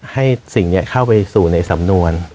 สิ่งนี้เข้าไปสู่ในสำนวน